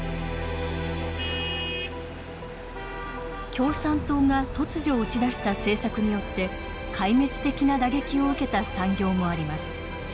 共産党が突如打ち出した政策によって壊滅的な打撃を受けた産業もあります。